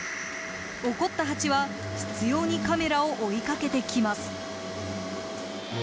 怒ったハチは執拗にカメラを追いかけてきます。